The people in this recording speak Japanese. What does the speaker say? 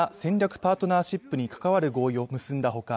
パートナーシップに関わる合意を結んだほか